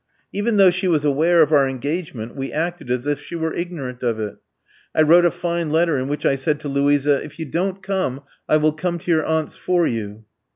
"Even though she was aware of our engagement, we acted as if she were ignorant of it. I wrote a fine letter in which I said to Luisa, 'If you don't come, I will come to your aunt's for you.'